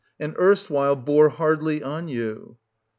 And erstwhile bore hardly on you.